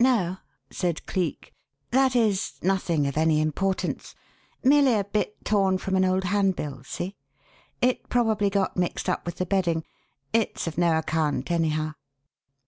"No," said Cleek. "That is, nothing of any importance. Merely a bit torn from an old handbill see? It probably got mixed up with the bedding. It's of no account, anyhow."